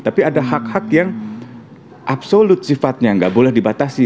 tapi ada hak hak yang absolut sifatnya nggak boleh dibatasi